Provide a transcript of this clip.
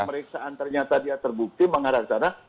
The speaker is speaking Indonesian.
pemeriksaan ternyata dia terbukti mengarahkan